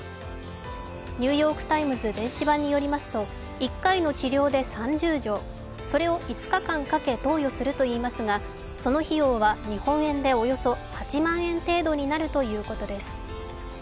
「ニューヨーク・タイムズ」電子版によりますと、１回の治療で３０錠、それを５日間かけて投与するといいますがその費用は日本円でおよそ８万円程度になるということです。